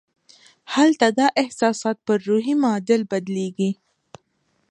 هلته دا احساسات پر روحي معادل بدلېږي